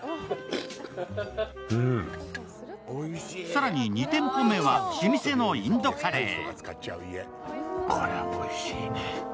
更に２店舗目は老舗のインドカレー。